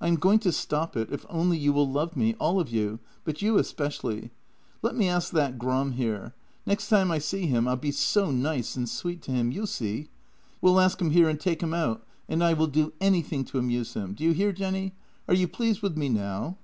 I am going to stop it, if only you will love me, all of you, but you especially. Let us ask that Gram here. Next time I see him I'll be so nice and sweet to him, you see. We'll ask him here and take him out, and I will do anything to amuse him. Do you hear, Jenny? Are you pleased with me now?